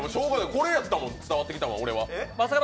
これやったもん、伝わってきたのは。